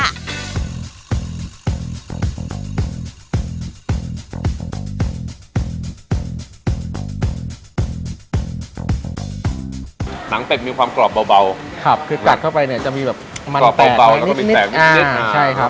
หนังเป็กมีความกรอบเบาครับคือกัดเข้าไปเนี่ยจะมีแบบมันแตกไปนิดอ่าใช่ครับ